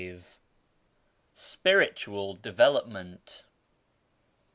W SPIRITUAL DEVELOPMENT.